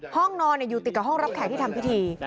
ห้องนอนอยู่ติดกับห้องรับแขกที่ทำพิธี